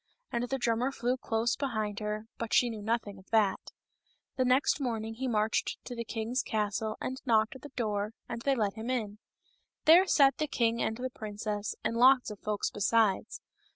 And the drummer flew close behind her, but she knew nothing of that. The next morning up he marched to the king's castle and knocked at the door, and they let him in. There sat the king and the princess, and lots of folks besides.